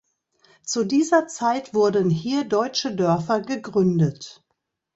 Zu dieser Zeit wurden hier deutsche Dörfer gegründet.